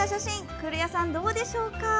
古谷さん、どうでしょうか？